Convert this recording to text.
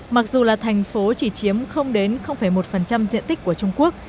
mặc dù là thành phố chỉ chiếm đến một diện tích của trung quốc